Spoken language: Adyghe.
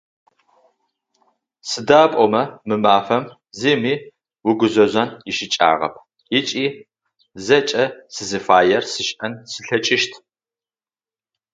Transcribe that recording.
Сыда пӏомэ мы мафэм зыми угузэжъон ищыкӏагъэп ыкӏи зэкӏэ сызыфаер сшӏэн слъэкӏыщт.